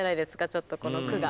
ちょっとこの句が。